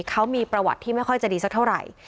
เขามีประวัติที่ไม่ค่อยจะดีสักเท่าไหร่